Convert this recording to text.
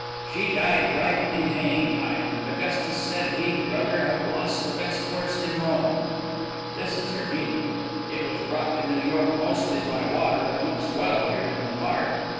She died right in haying time, and Augustus said he'd ruther of lost the best horse in Rome. This is her needle. It was brought to New York mostly by water, and looks well here in the park.